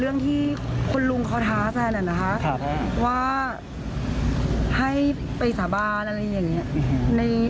เรื่องที่คุณลุงเขาท้าแฟนอะนะคะว่าให้ไปสาบานอะไรอย่างนี้